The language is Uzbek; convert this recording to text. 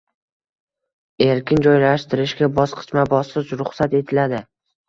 erkin joylashtirishga bosqichma-bosqich ruxsat etiladi.